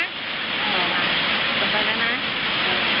เข้าเข้าจะไปแล้วนะ